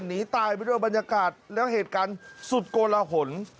หนีตายไปด้วยบรรยากาศแล้วเหตุการณ์สุดโกลหน